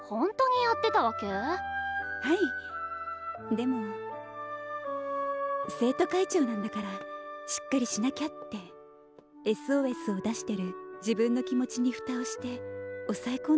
でも生徒会長なんだからしっかりしなきゃってＳＯＳを出してる自分の気持ちに蓋をして抑え込んでたら。